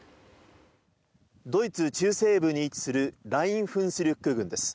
ドイツ中西部に位置するライン・フンスリュック郡です。